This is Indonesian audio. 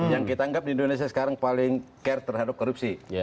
yang kita anggap di indonesia sekarang paling care terhadap korupsi